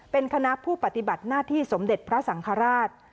เป็นคณะผู้ปฏิบัติหน้าที่สมเด็จพระสังฆราช